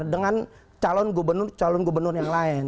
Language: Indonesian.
dengan calon gubernur calon gubernur yang lain